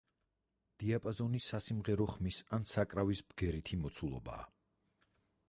დიაპაზონი სასიმღერო ხმის ან საკრავის ბგერითი მოცულობაა.